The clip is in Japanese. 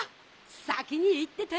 さきにいってて！